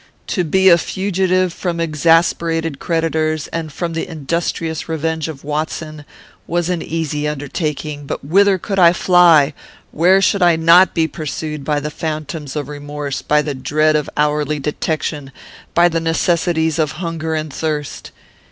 To be a fugitive from exasperated creditors, and from the industrious revenge of Watson, was an easy undertaking; but whither could I fly, where I should not be pursued by the phantoms of remorse, by the dread of hourly detection, by the necessities of hunger and thirst?